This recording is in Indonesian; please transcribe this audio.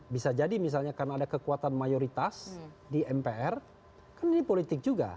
bisa jadi misalnya karena ada kekuatan mayoritas di mpr kan ini politik juga